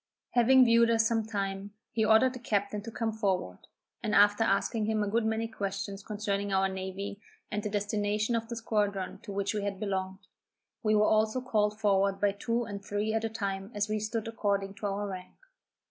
Having viewed us some time, he ordered the captain to come forward, and after asking him a good many questions concerning our navy, and the destination of the squadron to which we had belonged, we were also called forward by two and three at a time as we stood according to our rank.